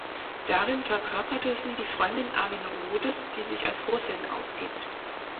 Darin verkörperte sie die Freundin Armin Rohdes, die sich als Russin ausgibt.